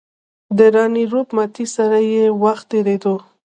د راني روپ متي سره یې وخت تېرېدو.